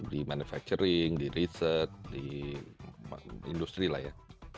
di manufacturing di riset di industri lah ya